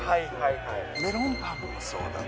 メロンパンもそうだね。